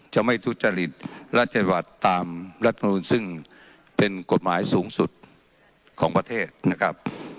จะไม่ทุจจริตรัฐจังหวัดตามรัฐมนุษย์ซึ่งเป็นกฎหมายสูงสุดของประเทศนะครับ